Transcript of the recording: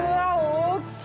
大っきい！